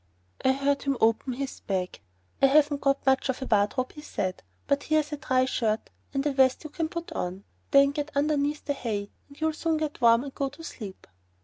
I heard him open his bag. "I haven't got much of a wardrobe," he said, "but here's a dry shirt and a vest you can put on. Then get underneath the hay and you'll soon get warm and go to sleep."